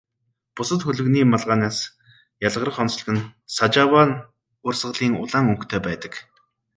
Бусад хөлгөний малгайнаас ялгарах онцлог нь Сажава урсгалынх улаан өнгөтэй байдаг.